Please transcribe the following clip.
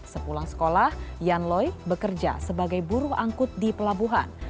sepulang sekolah yanloi bekerja sebagai buruh angkut di pelabuhan